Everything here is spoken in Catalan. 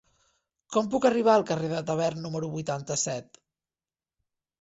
Com puc arribar al carrer de Tavern número vuitanta-set?